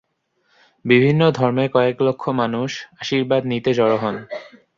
বিভিন্ন ধর্মের কয়েক লক্ষ মানুষ আশীর্বাদ নিতে জড়ো হন।